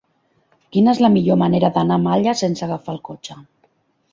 Quina és la millor manera d'anar a Malla sense agafar el cotxe?